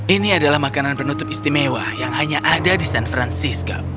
ini adalah makanan penutup istimewa yang hanya ada di san francisco